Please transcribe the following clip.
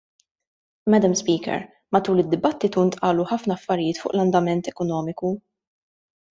Madam Speaker, matul id-dibattitu ntqalu ħafna affarijiet fuq l-andament ekonomiku.